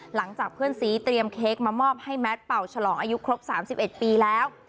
หลังจากเพื่อนสีเตรียมเค้กมามอบให้แมทเป่าฉลองอายุครบ๓๑ปีแล้ว